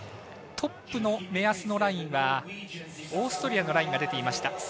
トップの目安のラインはオーストリアのラインが出ていました。